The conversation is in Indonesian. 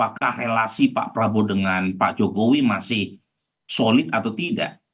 apakah relasi pak prabowo dengan pak jokowi masih solid atau tidak